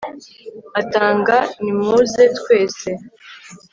atanga; nimuze twese